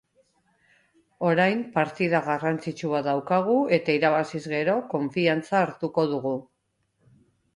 Orain partida garrantzitsu bat daukagu eta irabaziz gero konfiantza hartuko dugu.